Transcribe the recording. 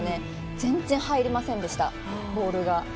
全然、入りませんでしたボールが。